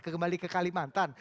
kembali ke kalimantan